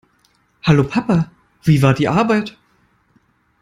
Hallo, Papa. Wie war die Arbeit?